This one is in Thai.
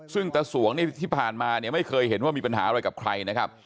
ซึ่งตะสวงนี่ที่ผ่านมาเนี่ยไม่เคยเห็นว่ามีปัญหาอะไรกับใครนะครับ